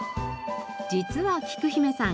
実はきく姫さん